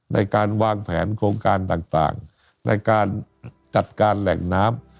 ในการวางแผนโครงการต่างในการจัดการแหล่งน้ำ